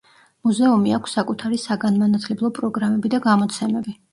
მუზეუმი აქვს საკუთარი საგანმანათლებლო პროგრამები და გამოცემები.